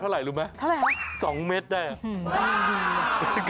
โอ้โฮแม่งมาก